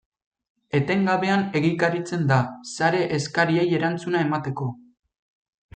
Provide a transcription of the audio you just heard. Etengabean egikaritzen da, sare eskariei erantzuna emateko.